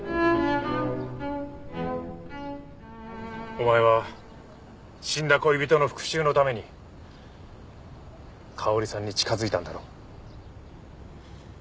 お前は死んだ恋人の復讐のために香織さんに近づいたんだろ？